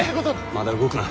まだ動くな。